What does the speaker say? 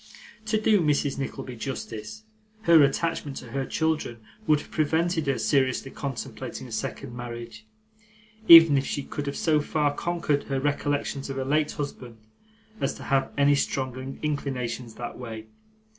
To do Mrs. Nickleby justice, her attachment to her children would have prevented her seriously contemplating a second marriage, even if she could have so far conquered her recollections of her late husband as to have any strong inclinations that way.